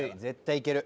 いける。